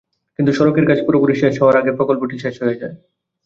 কিন্তু সড়কের কাজ পুরোপুরি শেষ হওয়ার আগে প্রকল্পটি শেষ হয়ে যায়।